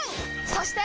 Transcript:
そして！